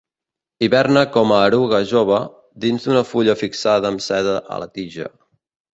Hiberna com a eruga jove, dins d'una fulla fixada amb seda a la tija.